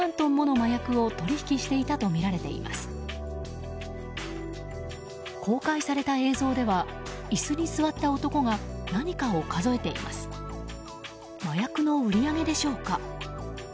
麻薬の売り上げでしょうか。